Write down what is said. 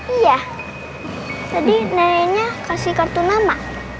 iya jadi neneknya kasih kartu nama